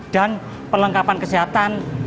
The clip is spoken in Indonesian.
dan perlengkapan kesehatan